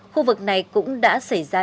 khu vực này cũng đã xảy ra